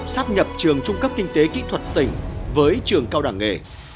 sáp nhập trường trung cấp kinh tế kỹ thuật tỉnh với trường cao đảng nghề